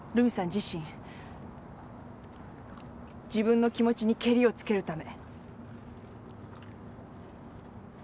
自身自分の気持ちにケリをつけるため。